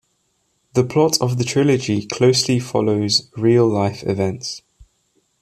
The plot of the trilogy closely follows real-life events.